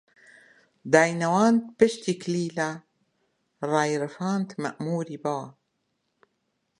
داینەواند پشتی کلیلە، ڕایڕفاند مەئمووری با